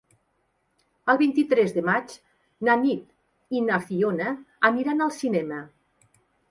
El vint-i-tres de maig na Nit i na Fiona aniran al cinema.